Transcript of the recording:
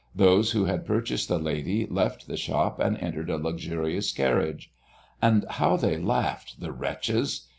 Those who had purchased the lady left the shop and entered a luxurious carriage. And how they laughed, the wretches!